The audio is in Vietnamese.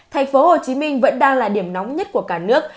thành phố hồ chí minh vẫn đang là điểm nóng nhất của cả nước